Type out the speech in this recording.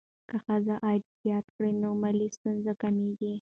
که ښځه عاید زیات کړي، نو مالي ستونزې کمېږي.